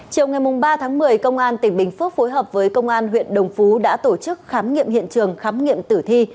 chiều ngày ba tháng một mươi công an tỉnh bình phước phối hợp với công an huyện đồng phú đã tổ chức khám nghiệm hiện trường khám nghiệm tử thi